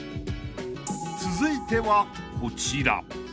［続いてはこちら］